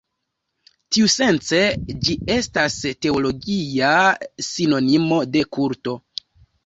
Tiusence ĝi estas teologia sinonimo de kulto.